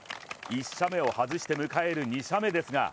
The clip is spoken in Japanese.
１射目を外して迎える２射目ですが。